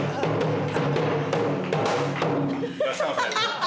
いらっしゃいませ。